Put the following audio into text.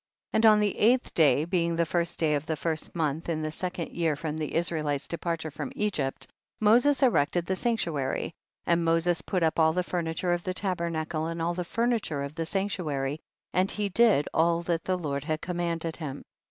4. And on the eighth day, being the first day of the first month, in the second year from the Israelites' de parture from Egypt, Moses erected the sanctuary, and Moses put up all the furniture of the tabernacle and all the furniture of the sanctuary, and he did all that the Lord had com manded him.